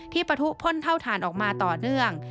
ปะทุพ่นเท่าฐานออกมาต่อเนื่อง